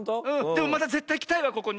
でもまたぜったいきたいわここに。